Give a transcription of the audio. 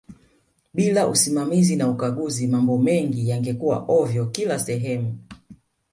bila usimamizi na ukaguzi mambo mengi yangekuaa ovyo kila sehemu